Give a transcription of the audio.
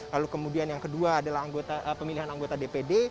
lalu kemudian yang kedua adalah pemilihan anggota dpd